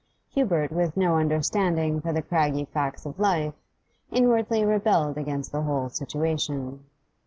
Hubert, with no understanding for the craggy facts of life, inwardly rebelled against the whole situation.